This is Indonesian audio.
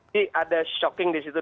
jadi ada shocking disitu